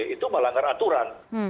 itu melanggar aturan